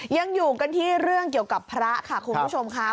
ยังอยู่กันที่เรื่องเกี่ยวกับพระค่ะคุณผู้ชมค่ะ